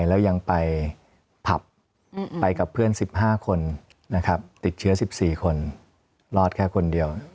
แล้วยังไปผับไปกับเพื่อน๑๕คนนะครับติดเชื้อ๑๔คนรอดแค่คนเดียว